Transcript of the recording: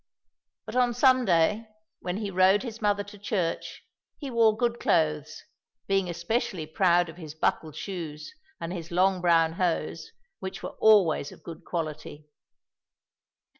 But on Sunday, when he rowed his mother to church, he wore good clothes, being especially proud of his buckled shoes and his long brown hose, which were always of good quality.